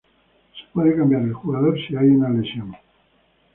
Se puede cambiar el jugador si hay una lesión.